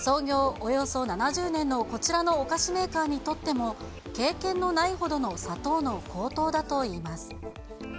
およそ７０年のこちらのお菓子メーカーにとっても、経験のないほどの砂糖の高騰だといいます。